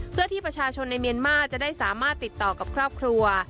เพื่อที่ประชาชนในเมียนมาร์จะได้สามารถติดต่อกับครอบครัว